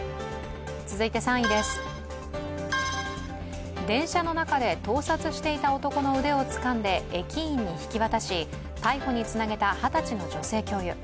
続いて３位です、電車の中で盗撮していた男の腕をつかんで駅員に引き渡し、逮捕につなげた二十歳の女性教諭。